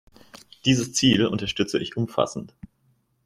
Dieses Ziel unterstütze ich umfassend.